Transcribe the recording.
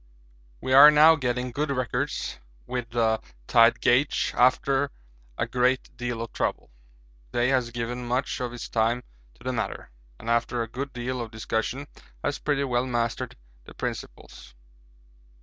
We are now getting good records with the tide gauge after a great deal of trouble. Day has given much of his time to the matter, and after a good deal of discussion has pretty well mastered the principles.